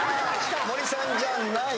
森さんじゃない。